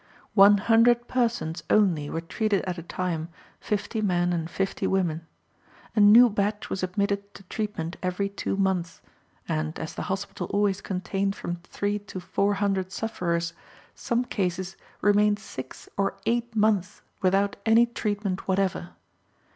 One hundred persons only were treated at a time, fifty men and fifty women. A new batch was admitted to treatment every two months, and, as the hospital always contained from three to four hundred sufferers, some cases remained six or eight months without any treatment whatever.